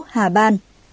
sáu hà ban